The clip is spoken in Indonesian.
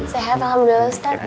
sehat alhamdulillah ustaz